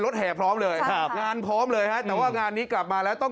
คือประมาณ๑ชั่วโมงโดยประมาณ